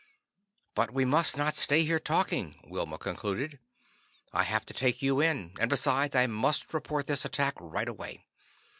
"But we must not stay here talking," Wilma concluded. "I have to take you in, and besides I must report this attack right away.